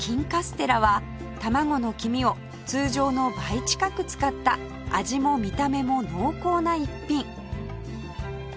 てらは卵の黄身を通常の倍近く使った味も見た目も濃厚な逸品